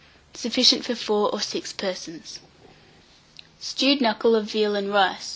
Sufficient for 4 or 6 persons. STEWED KNUCKLE OF VEAL AND RICE.